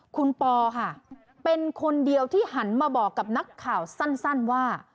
คุณปอค่ะเป็นคนเดียวที่หันมาบอกกับนักข่าวสั้นว่า